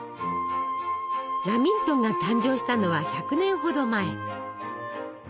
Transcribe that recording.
ラミントンが誕生したのは１００年ほど前。